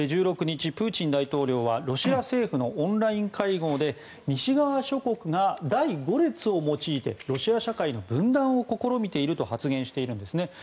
１６日、プーチン大統領はロシア政府のオンライン会合で西側諸国が第５列を用いてロシア社会の分断を試みていると発言しているんですね。